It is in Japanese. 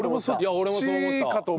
俺もそう思った。